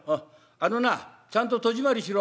あのなあちゃんと戸締まりしろ。